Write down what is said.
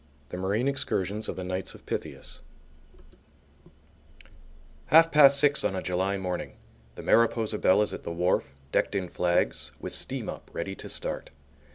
The Marine Excursions of the Knights of Pythias Half past six on a July morning! The Mariposa Belle is at the wharf, decked in flags, with steam up ready to start.